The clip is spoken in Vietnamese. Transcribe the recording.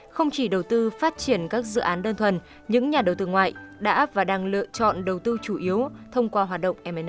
không chỉ đầu tư phát triển các dự án đơn thuần những nhà đầu tư ngoại đã và đang lựa chọn đầu tư chủ yếu thông qua hoạt động mnc